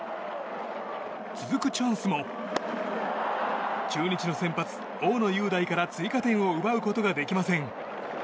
続くチャンスも中日の先発、大野雄大から追加点を奪うことができません。